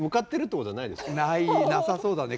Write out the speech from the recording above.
なさそうだね。